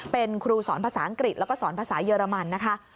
เป็นครูสอนภาษาอังกฤษแล้วก็สอนภาษาเยอรมันนะคะ